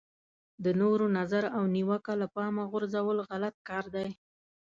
د نورو نظر او نیوکه له پامه غورځول غلط کار دی.